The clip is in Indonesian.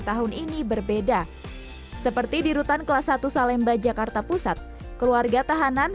tahun ini berbeda seperti di rutan kelas satu salemba jakarta pusat keluarga tahanan